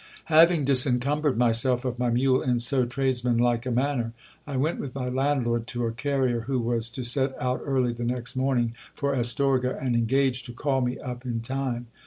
Having disencumbered myself of my mule in so tradesmanlike a manner, I went with my landlord to a carrier who was to set out early the next morning for Astorga, and engaged to call me up in time.